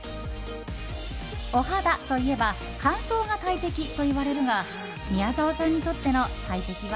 お肌といえば乾燥が大敵といわれるが宮沢さんにとっての大敵は？